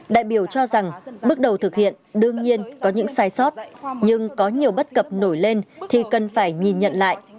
đại biểu cho rằng bước đầu thực hiện đương nhiên có những sai sót nhưng có nhiều bất cập nổi lên thì cần phải nhìn nhận lại